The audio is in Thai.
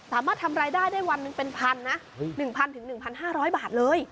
สามารถทำรายได้ได้วันหนึ่งเป็นพันนะ๑๐๐๑๕๐๐บาทเลย